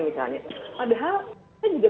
misalnya padahal saya juga